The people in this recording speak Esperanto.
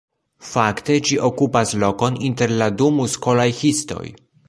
Fakte ĝi okupas lokon inter la du muskolaj histoj.